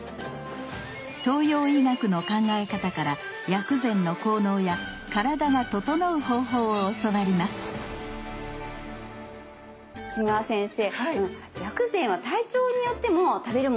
東洋医学の考え方から薬膳の効能や体がととのう方法を教わります木村先生